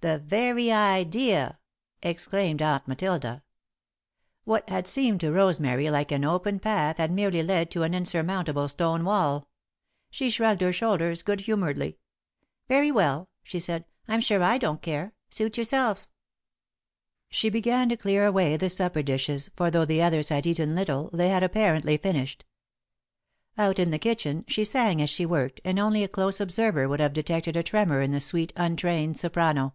"The very idea," exclaimed Aunt Matilda. What had seemed to Rosemary like an open path had merely led to an insurmountable stone wall. She shrugged her shoulders good humouredly. "Very well," she said, "I'm sure I don't care. Suit yourselves." [Sidenote: One Step Forward] She began to clear away the supper dishes, for, though the others had eaten little, they had apparently finished. Out in the kitchen, she sang as she worked, and only a close observer would have detected a tremor in the sweet, untrained soprano.